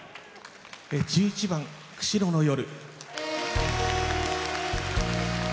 １１番「釧路の夜」。